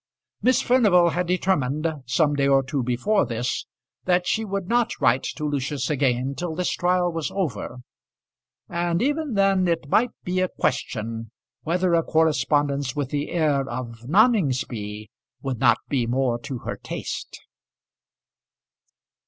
Miss Furnival had determined, some day or two before this, that she would not write to Lucius again till this trial was over; and even then it might be a question whether a correspondence with the heir of Noningsby would not be more to her taste.